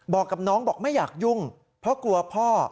บอกกับน้องบอกไม่อยากยุ่งเพราะกลัวพ่อ